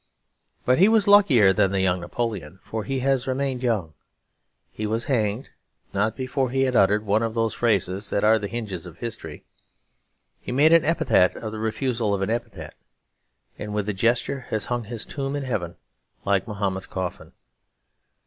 But he was luckier than the young Napoleon; for he has remained young. He was hanged; not before he had uttered one of those phrases that are the hinges of history. He made an epitaph of the refusal of an epitaph: and with a gesture has hung his tomb in heaven like Mahomet's coffin.